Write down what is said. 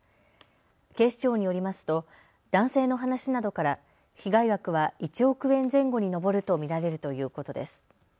警視庁によりますと男性の話などから被害額は１億円前後に上ると見られるということです。